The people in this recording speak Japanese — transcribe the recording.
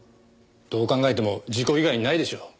どう考えても事故以外にないでしょう。